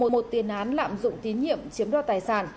một tiền án lạm dụng tín nhiệm chiếm đoạt tài sản